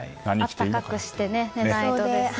暖かくして寝ないとですね。